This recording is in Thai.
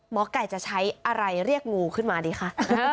หมอไก่จะใช้อะไรเรียกงูขึ้นมาดีคะ